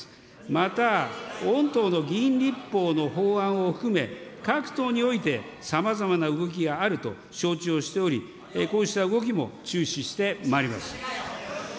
また、御党の議員立法の法案を含め、各党において、さまざまな動きがあると承知をしており、こうした動きも注視してまいります。